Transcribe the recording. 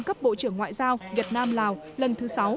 cấp bộ trưởng ngoại giao việt nam lào lần thứ sáu